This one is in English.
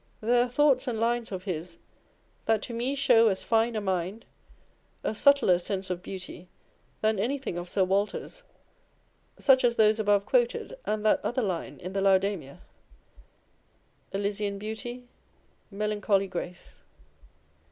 There are thoughts and lines of his that to me show as fine a mind, a subtler sense of beauty than anything of Sir Walter's, such as those above quoted, and that other line in the Laodamia â€" Elysittn beauty, melancholy grace.